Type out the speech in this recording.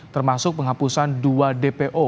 termasuk penghapusan dua dpo